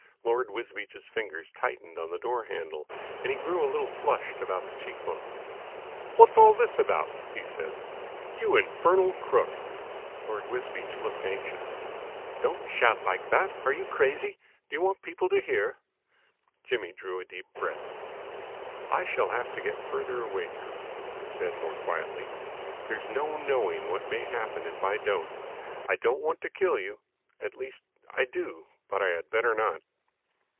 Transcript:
Lord Wisbeach's fingers tightened on the door handle, and he grew a little flushed about the cheek bones. "What's all this about?" he said. "You infernal crook!" Lord Wisbeach looked anxious. "Don't shout like that! Are you crazy? Do you want people to hear?" Jimmy drew a deep breath. "I shall have to get further away from you," he said more quietly. "There's no knowing what may happen if I don't. I don't want to kill you. At least, I do, but I had better not."